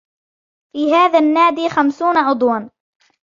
في هذا النادي خمسون عضوا.